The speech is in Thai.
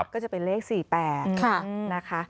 ก็จะเป็นเลข๔๘